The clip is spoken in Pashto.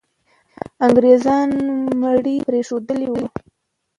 انګریزان مړي پرېښودلي وو.